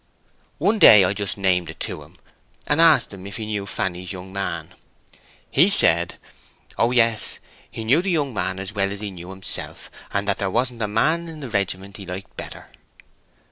"One day I just named it to him, and asked him if he knew Fanny's young man. He said, 'Oh yes, he knew the young man as well as he knew himself, and that there wasn't a man in the regiment he liked better.